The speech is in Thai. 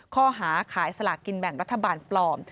ข้อหาขายสลากกินแบ่งรัฐบาลปลอม